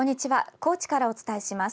高知からお伝えします。